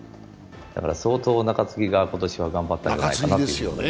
相当、中継ぎが今年は頑張ったんじゃないかなと。